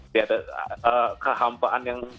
tidak ada kehampaan yang